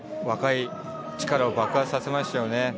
若い力を爆発させましたよね。